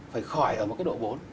phải khỏi ở một cái độ bốn